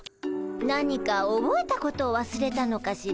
何かおぼえたことをわすれたのかしら？